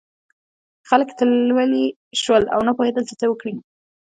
خلک تلولي شول او نه پوهېدل چې څه وکړي.